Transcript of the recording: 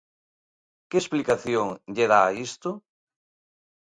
Que explicación lle dá a isto?